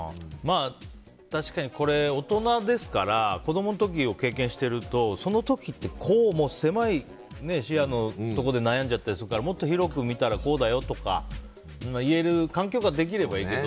確かに大人ですから子供の時を経験していると、その時ってもう狭い視野のところで悩んじゃったりするからもっと広く見たらこうだよとか言える環境ができればいいけど。